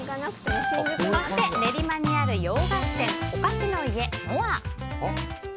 そして、練馬にある洋菓子店おかしの家ノア。